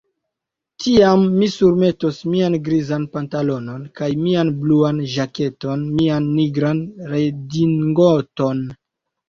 Tiam mi surmetos mian grizan pantalonon kaj mian bluan ĵaketon mian nigran redingoton.